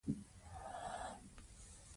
کارمل ویلي و چې شوروي ځواکونه لنډمهاله دي.